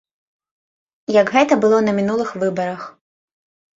Як гэта было на мінулых выбарах.